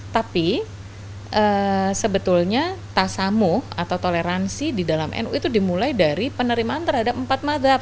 tapi sebetulnya tasamu atau toleransi di dalam nu itu dimulai dari penerimaan terhadap empat madhab